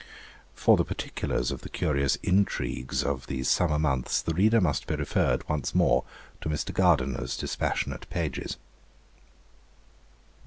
For the particulars of the curious intrigues of these summer months the reader must be referred, once more, to Mr. Gardiner's dispassionate pages.